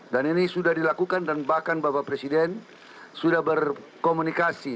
dan ini sudah dilakukan dan bahkan bapak presiden sudah berkomunikasi